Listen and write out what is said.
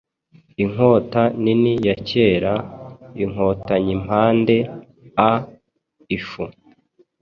Inkota nini ya kera-inkotayimpande a-ifu